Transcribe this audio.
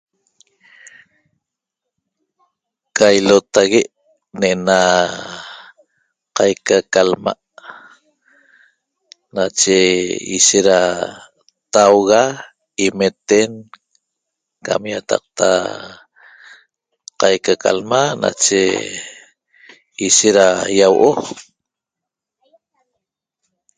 Ca ilota'ague ne'ena qaica ca lma' nache ishet ra tauga imeten cam iataqta qaica ca lma' nache ishet ra iahuo'o.